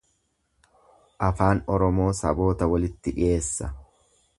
Afaan Oromoo saboota walitti dhiheessa.